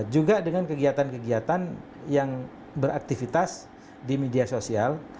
juga dengan kegiatan kegiatan yang beraktivitas di media sosial